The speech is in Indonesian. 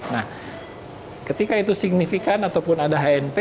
nah ketika itu signifikan ataupun ada hnp